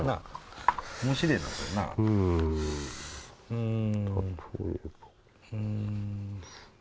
うん。